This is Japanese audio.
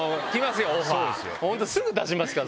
本当すぐ出しますから。